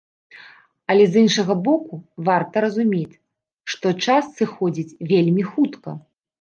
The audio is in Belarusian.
Але з іншага боку, варта разумець, што час сыходзіць вельмі хутка.